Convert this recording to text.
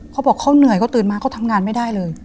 เขาบอกเขาเหนื่อยเขาตื่นมาเขาทำงานไม่ได้เลย